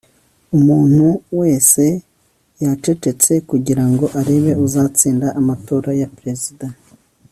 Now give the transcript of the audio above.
umuntu wese yacecetse kugira ngo arebe uzatsinda amatora ya perezida